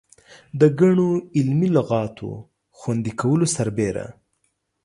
د ګڼو علمي لغاتو خوندي کولو سربېره.